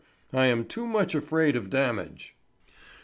I am too much afraid of damage."